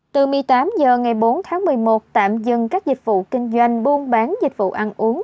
từ một mươi tám h ngày bốn tháng một mươi một tạm dừng các dịch vụ kinh doanh buôn bán dịch vụ ăn uống